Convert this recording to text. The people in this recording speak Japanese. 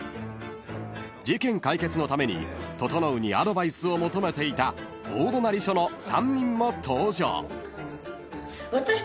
［事件解決のために整にアドバイスを求めていた大隣署の３人も登場］